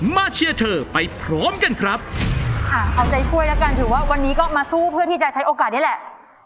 เชียร์เธอไปพร้อมกันครับค่ะเอาใจช่วยแล้วกันถือว่าวันนี้ก็มาสู้เพื่อที่จะใช้โอกาสนี้แหละ